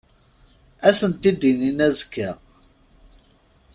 Ad sent-d-inin azekka.